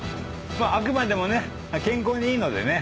あくまでもね健康にいいのでね。